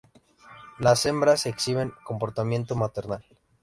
Las hembras exhiben comportamiento maternal.